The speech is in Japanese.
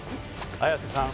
綾瀬さん